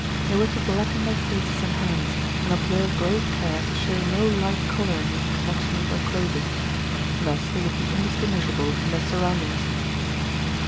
They were to blacken their faces and hands, and observe great care to show no light colouring in connection with their clothing. Thus they would be indistinguishable from their surroundings.